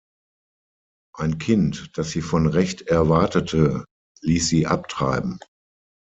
Ein Kind, das sie von Recht erwartete, ließ sie abtreiben.